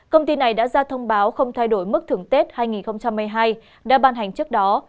công ty này đã ra thông báo không thay đổi mức thưởng tết hai nghìn hai mươi hai đã ban hành trước đó